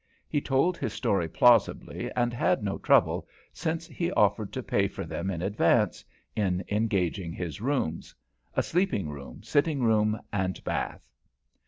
He told his story plausibly and had no trouble, since he offered to pay for them in advance, in engaging his rooms; a sleeping room, sitting room and bath.